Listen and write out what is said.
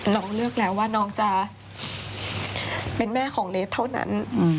เราเลือกแล้วว่าน้องจะเป็นแม่ของเลสเท่านั้น